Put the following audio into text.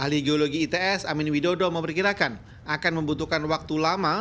ahli geologi its amin widodo memperkirakan akan membutuhkan waktu lama